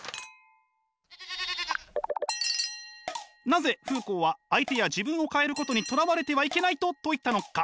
なぜフーコーは相手や自分を変えることにとらわれてはいけないと説いたのか。